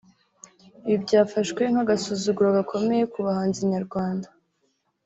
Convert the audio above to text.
Ibi byafashwe nk'agasuzuguro gakomeye ku bahanzi nyarwanda